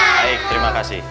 baik terima kasih